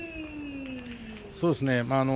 そうですね。